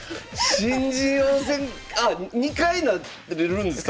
新人王戦あ２回なれるんですか？